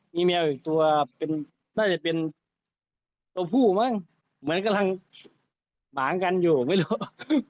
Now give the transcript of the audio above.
มีแมวอีกตัวเป็นน่าจะเป็นตัวผู้มั้งเหมือนกำลังหมางกันอยู่ไม่รู้